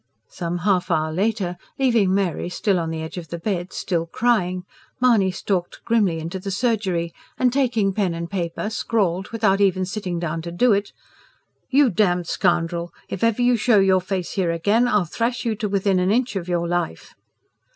Some half hour later, leaving Mary still on the edge of the bed, still crying, Mahony stalked grimly into the surgery and taking pen and paper scrawled, without even sitting down to do it: YOU DAMNED SCOUNDREL! IF EVER YOU SHOW YOUR FACE HERE AGAIN, I'LL THRASH YOU TO WITHIN AN INCH OF YOUR LIFE.